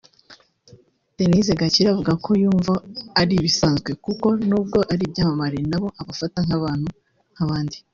Denise Gakire avuga ko yumva ari ibisanzwe kuko n’ubwo ari ibyamamare nabo abafata nk’abantu nk’abandi